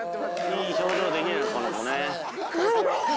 いい表情できるねこの子ね。